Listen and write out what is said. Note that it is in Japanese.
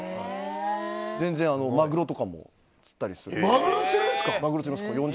全然、マグロとかも釣ったり。